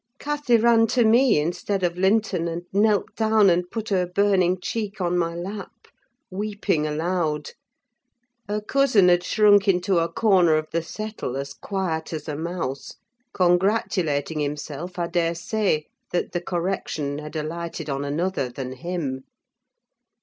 Cathy ran to me instead of Linton, and knelt down and put her burning cheek on my lap, weeping aloud. Her cousin had shrunk into a corner of the settle, as quiet as a mouse, congratulating himself, I dare say, that the correction had alighted on another than him.